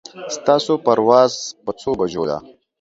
ستاسو پرواز په څو بجو ده